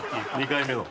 ２回目の。